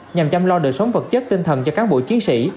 nhằm chăm lo đời sống vật chất tinh thần cho cán bộ chiến sĩ